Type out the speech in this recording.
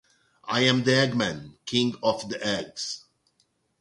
I am the eggman, king of the eggs.